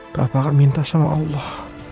kenapa akan minta sama allah